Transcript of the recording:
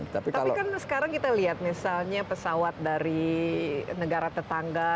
tapi kan sekarang kita lihat misalnya pesawat dari negara tetangga